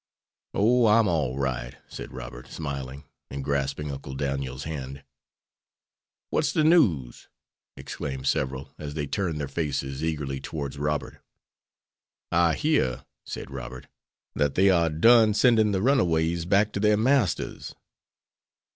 "Oh, I'm all right," said Robert, smiling, and grasping Uncle Daniel's hand. "What's de news?" exclaimed several, as they turned their faces eagerly towards Robert. "I hear," said Robert, "that they are done sending the runaways back to their masters."